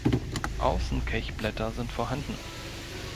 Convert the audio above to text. Außenkelchblätter sind vorhanden.